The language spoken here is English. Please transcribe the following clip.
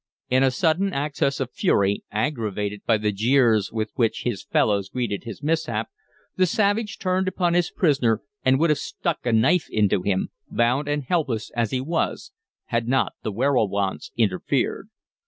In a sudden access of fury, aggravated by the jeers with which his fellows greeted his mishap, the savage turned upon his prisoner and would have stuck a knife into him, bound and helpless as he was, had not the werowance interfered.